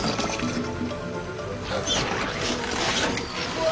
うわ！